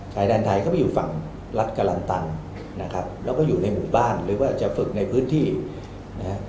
ชายแดนไทยเข้าไปอยู่ฝั่งรัฐกรันตันนะครับแล้วก็อยู่ในหมู่บ้านหรือว่าจะฝึกในพื้นที่นะฮะ